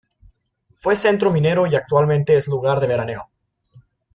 Fue centro minero y actualmente es lugar de veraneo.